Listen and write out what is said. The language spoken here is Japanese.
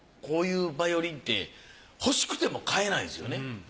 こういうヴァイオリンって欲しくても買えないんですよね。